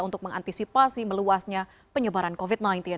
untuk mengantisipasi meluasnya penyebaran covid sembilan belas